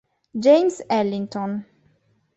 James Ellington